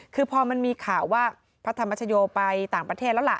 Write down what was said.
คือพอมันมีข่าวว่าพระธรรมชโยไปต่างประเทศแล้วล่ะ